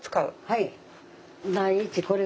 はい。